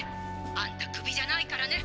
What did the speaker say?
あんたクビじゃないからね！